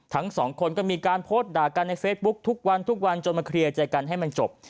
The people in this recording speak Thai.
ทั้งสองคนก็มีการโพสต์ด่ากันในเฟซบุ๊คทุกวันทุกวันจนมาเคลียร์ใจกันให้มันจบ